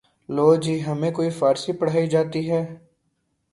لو جی ہمیں کوئی فارسی پڑھائی جاتی ہے